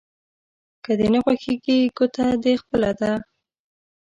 که دې نه خوښېږي ګوته دې خپله ده.